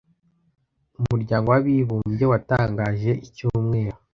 Umuryango w’abibumbye watangaje icyumweru